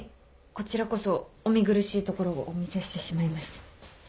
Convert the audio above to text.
こちらこそお見苦しいところをお見せしてしまいまして。